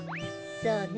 そうね。